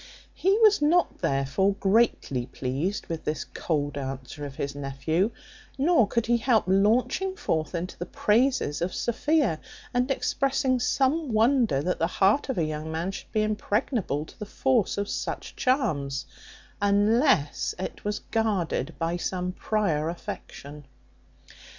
He was not therefore greatly pleased with this cold answer of his nephew; nor could he help launching forth into the praises of Sophia, and expressing some wonder that the heart of a young man could be impregnable to the force of such charms, unless it was guarded by some prior affection.